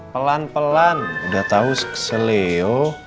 pelan pelan udah tau kesel leo